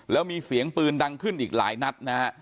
แล้วมีเสียงปืนดังขึ้นอีกหลายนัดนะฮะ